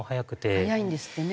速いんですってね。